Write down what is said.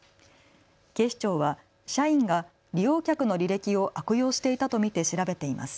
警視庁は社員が利用客の履歴を悪用していたと見て調べています。